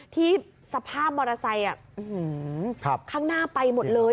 ที่สภาพมอเตอร์ไซค์อ่ะอื้อหือครับข้างหน้าไปหมดเลย